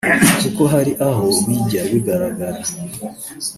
kuko hari aho bijya bigaragara